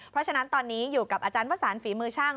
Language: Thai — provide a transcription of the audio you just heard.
เพราะฉะนั้นตอนนี้อยู่กับอาจารย์วสารฝีมือช่าง